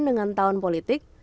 dengan tahun politik